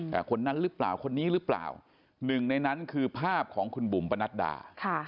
คนนั้นหรือเปล่าคนนี้หรือเปล่าหนึ่งในนั้นคือภาพของคุณบุ๋มปนัดดาค่ะ